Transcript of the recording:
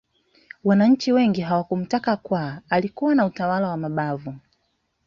wananchi wengi hawakumtaka kwa alikuwa na utawala wa mabavu